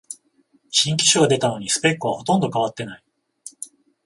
新機種が出たのにスペックはほとんど変わってない